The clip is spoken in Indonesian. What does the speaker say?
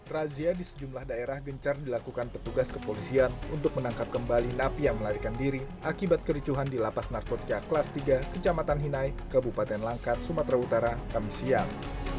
razia di sejumlah daerah gencar dilakukan petugas kepolisian untuk menangkap kembali napi yang melarikan diri akibat kericuhan di lapas narkotika kelas tiga kecamatan hinai kabupaten langkat sumatera utara kami siang